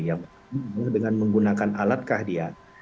yang pertama dengan menggunakan alatkah dia